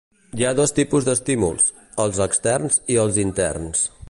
Hi ha dos tipus d'estímuls: els externs i els interns.